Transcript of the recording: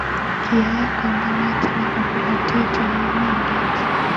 Koyaei kambaket nebo bolatet amun inendet